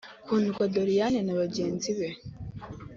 Kundwa Doriane na bagenzi be